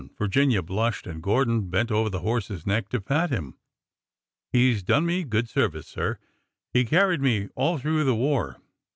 Virginia blushed, and Gordon bent over the horse's neck to pat him. He 's done me good service, sir. He carried me all through the war.